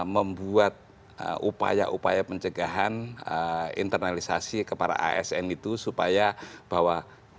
membuat upaya upaya pencegahan internalisasi kepada asn itu supaya bahwa